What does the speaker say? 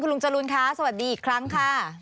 ลุงจรูนคะสวัสดีอีกครั้งค่ะ